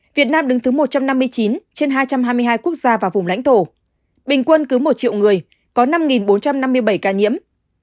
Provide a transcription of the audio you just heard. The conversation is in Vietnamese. việt nam đứng thứ một trăm năm mươi chín trên hai trăm hai mươi hai quốc gia và vùng lãnh thổ bình quân cứ một triệu người có năm bốn trăm năm mươi bảy ca nhiễm